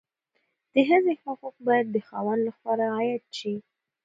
د ښځې حقوق باید د خاوند لخوا رعایت شي.